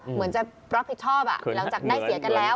เหมือนจะรับผิดชอบหลังจากได้เสียกันแล้ว